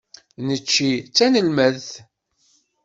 Necci d tanelmadt.